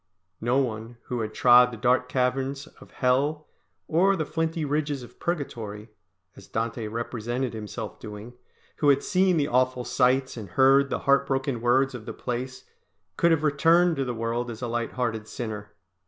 No one who had trod the dark caverns of Hell or the flinty ridges of Purgatory, as Dante represented himself doing, who had seen the awful sights and heard the heart broken words of the place, could have returned to the world as a light hearted sinner!